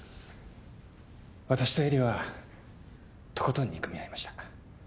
わたしと絵里はとことん憎み合いました。